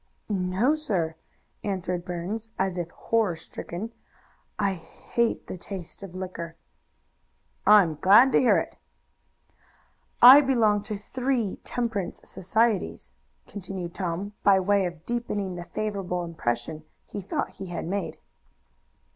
"No, sir," answered Burns, as if horror stricken. "I hate the taste of liquor." "I am glad to hear it." "I belong to three temperance societies," continued Tom, by way of deepening the favorable impression he thought he had made.